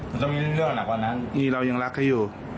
มันต้องมีเรื่องหนักกว่านั้นนี่เรายังรักเขาอยู่